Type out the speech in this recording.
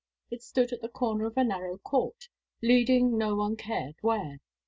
It stood at the corner of a narrow court, leading no one cared where.